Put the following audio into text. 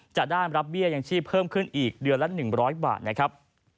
จะได้รับเบี้ยยังชีพเพิ่มขึ้นอีกเดือนละ๑๐๐บาทนะครับ